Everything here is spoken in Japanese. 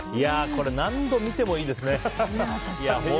これ、何度見てもいいですね。